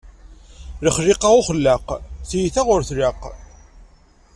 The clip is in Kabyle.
Lexliqa uxellaq, tiyta ur tlaq.